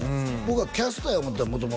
僕はキャスターや思うてた